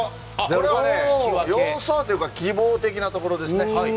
これは予想というか希望的なところですね。